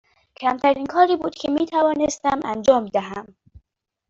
کمترین کاری بود که می توانستم انجام دهم.